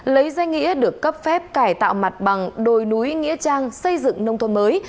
lấy danh nghĩa được cấp phép cải tạo mặt bằng đồi núi nghĩa trang xây dựng nông thôn mới